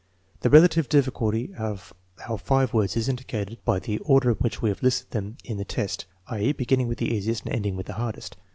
The relative difficulty of our five words is indicated by the order in which we have listed them in the test (i.e., beginning with the easiest and ending with the hardest).